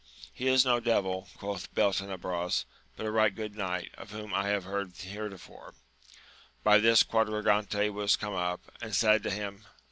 He is no devil, quoth Beltene bros, but a right good knight, of whom I have heard heretofore. By this Quadragante was come up, and said to him.